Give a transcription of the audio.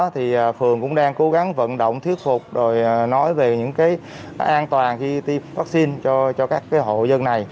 thì phường cũng đang cố gắng vận động thuyết phục rồi nói về những cái an toàn khi tiêm vaccine cho các hộ dân này